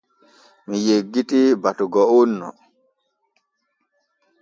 Mi yeggitii batugo on no.